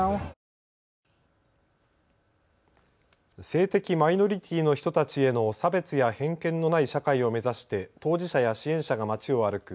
性的マイノリティーの人たちへの差別や偏見のない社会を目指して当事者や支援者が街を歩く